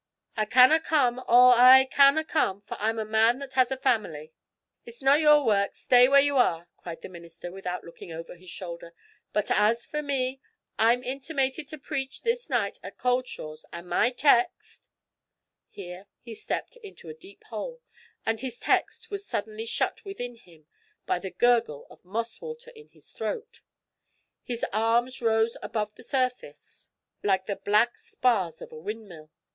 'I canna come, oh, I canna come, for I'm a man that has a family.' 'It's no' your work; stay where ye are,' cried the minister, without looking over his shoulder; 'but as for me, I'm intimated to preach this night at Cauldshaws, and my text ' Here he stepped into a deep hole, and his text was suddenly shut within him by the gurgle of moss water in his throat. His arms rose above the surface like the black spars of a windmill.